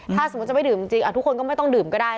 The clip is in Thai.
ถ้าสมมุติจะไม่ดื่มจริงทุกคนก็ไม่ต้องดื่มก็ได้